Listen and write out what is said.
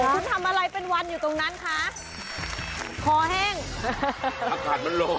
คุณทำอะไรเป็นวันอยู่ตรงนั้นคะคอแห้งอากาศมันลง